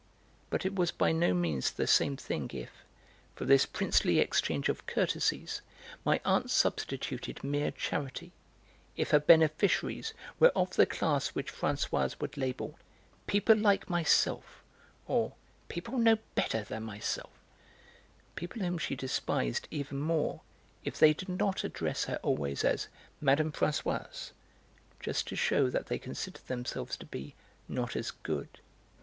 But it was by no means the same thing if, for this princely exchange of courtesies, my aunt substituted mere charity, if her beneficiaries were of the class which Françoise would label "people like myself," or "people no better than myself," people whom she despised even more if they did not address her always as "Mme. Françoise," just to shew that they considered themselves to be 'not as good.'